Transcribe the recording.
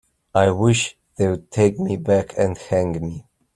I wish they'd take me back and hang me.